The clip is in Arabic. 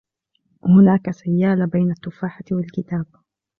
هناك سيالة بين التفاحة و الكتاب.